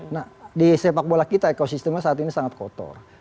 nah di sepak bola kita ekosistemnya saat ini sangat kotor